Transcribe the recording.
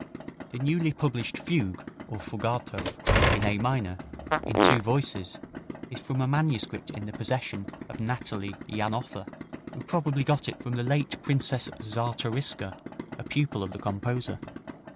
The newly published Fugue or fugato in A minor, in two voices, is from a manuscript in the possession of Natalie Janotha, who probably got it from the late Princess Czartoryska, a pupil of the composer.